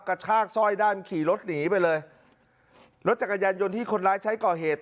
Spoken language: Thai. กระชากสร้อยด้านขี่รถหนีไปเลยรถจักรยานยนต์ที่คนร้ายใช้ก่อเหตุ